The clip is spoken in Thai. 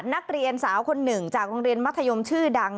นักเรียนสาวคนหนึ่งจากโรงเรียนมัธยมชื่อดัง